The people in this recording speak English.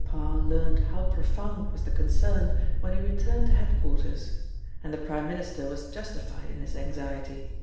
Parr learnt how profound was the concern when he returned to head quarters. And the Prime Minister was justified in his anxiety.